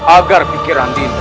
agar pikiran dinda